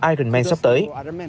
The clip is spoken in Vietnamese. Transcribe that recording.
ironman sắp tới